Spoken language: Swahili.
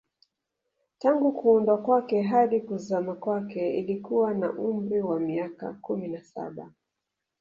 Tangu kuundwa kwake hadi kuzama kwake ilikuwa na umri wa miaka kumi na saba